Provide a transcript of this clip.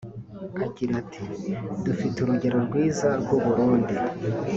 Agira ati “Dufite urugero rwiza rw’u Burundi